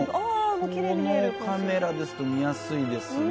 このカメラですと、見やすいですね。